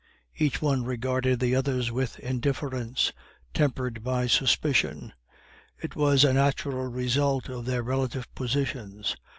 Each one regarded the others with indifference, tempered by suspicion; it was a natural result of their relative positions.